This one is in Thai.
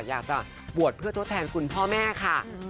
อยากจะบวชเพื่อทดแทนคุณพ่อแม่ค่ะ